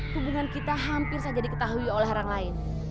hubungan kita hampir saja diketahui oleh orang lain